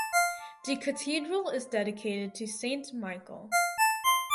The cathedral is dedicated to St Michael.